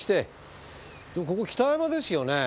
でもここ北山ですよねぇ？